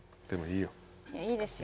いいですよ。